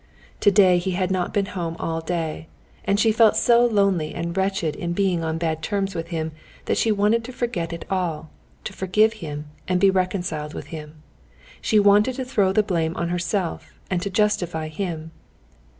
Today he had not been at home all day, and she felt so lonely and wretched in being on bad terms with him that she wanted to forget it all, to forgive him, and be reconciled with him; she wanted to throw the blame on herself and to justify him.